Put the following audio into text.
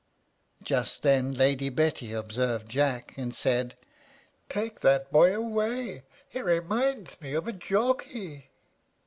Just then Lady Betty observed Jack, and said, "Take that boy away; he reminds me of a jockey."